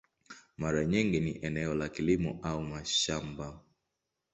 Mara nyingi ni eneo la kilimo au mashamba.